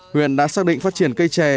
huyện đã xác định phát triển cây chè